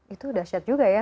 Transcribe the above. itu dasyat juga ya